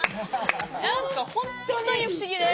何か本当に不思議で。